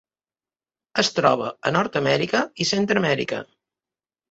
Es troba a Nord-amèrica i Centreamèrica.